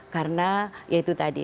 karena ya itu tadi